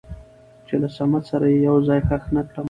چې له صمد سره يې يو ځاى خښ نه کړم.